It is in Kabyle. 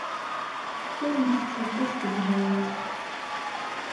Ur nttett aṭas deg beṛṛa.